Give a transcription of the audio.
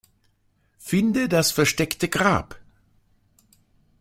Finde das versteckte Grab.